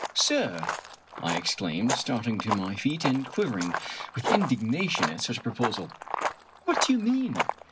"Sir!" I exclaimed, starting to my feet, and quivering with indignation at such a proposal; "what do you mean?